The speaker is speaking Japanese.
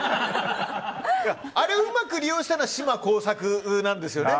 あれをうまく利用したのは島耕作なんですよね。